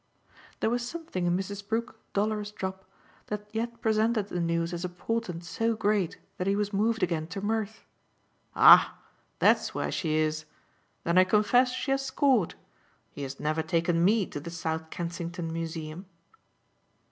There was something in Mrs. Brook's dolorous drop that yet presented the news as a portent so great that he was moved again to mirth. "Ah that's where she is? Then I confess she has scored. He has never taken ME to the South Kensington Museum."